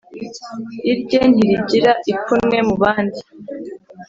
irye ntirigira ipfunwe mubandi